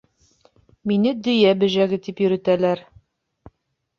Мине Дөйә бөжәге тип йөрөтәләр.